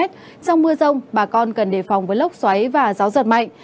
trong mưa rông bà con cần đề phòng với lốc xoáy và gió giật mạnh